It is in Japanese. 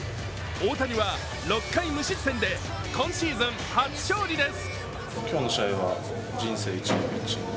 大谷は６回無失点で今シーズン初勝利です。